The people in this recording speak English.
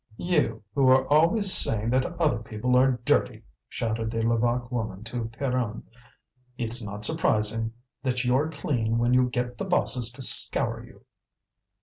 "You, who are always saying that other people are dirty!" shouted the Levaque woman to Pierronne; "it's not surprising that you're clean when you get the bosses to scour you."